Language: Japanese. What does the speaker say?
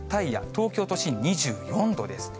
東京都心２４度です。